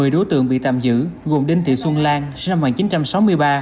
một mươi đối tượng bị tạm giữ gồm đinh thị xuân lan sinh năm một nghìn chín trăm sáu mươi ba